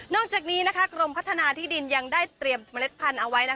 จากนี้กรมพัฒนาที่ดินยังได้เตรียมเมล็ดพันธุ์เอาไว้